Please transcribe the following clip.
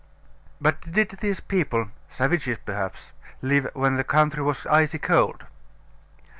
But did these people (savages perhaps) live when the country was icy cold?